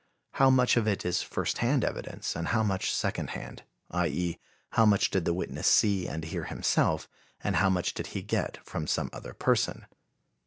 How much of it is first hand evidence and how much second hand, i. e., how much did the witness see and hear himself and how much did he get from some other person?